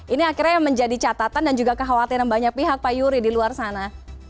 ini akhirnya menjadi catatan dan juga kekhawatiran banyak pihak pak yuri di luar sana